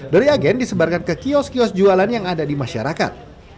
dari agen disebarkan ke kios kios jualan yang ada di masyarakat